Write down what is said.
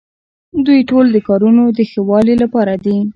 دوی ټول د کارونو د ښه والي لپاره دي.